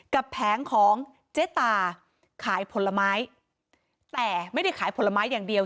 แผงของเจ๊ตาขายผลไม้แต่ไม่ได้ขายผลไม้อย่างเดียว